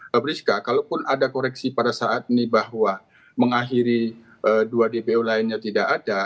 pak priska kalaupun ada koreksi pada saat ini bahwa mengakhiri dua dpo lainnya tidak ada